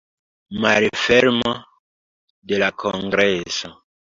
Malfermo de la kongreso.